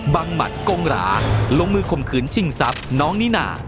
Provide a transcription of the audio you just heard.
หมัดกงหราลงมือข่มขืนชิงทรัพย์น้องนิน่า